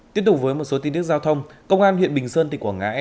tiếp tục với một số tin tiết giao thông